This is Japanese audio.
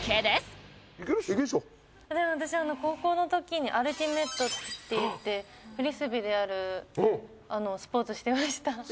でも私高校のときにアルティメットっていってフリスビーでやるスポーツしてました。